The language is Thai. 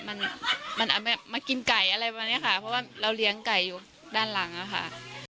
มันมันมากินไก่อะไรประมาณเนี้ยค่ะเพราะว่าเราเลี้ยงไก่อยู่ด้านหลังอะค่ะ